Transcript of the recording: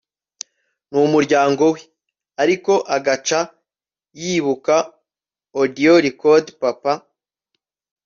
numuryango we……ariko agaca yibuka audiorecord Papa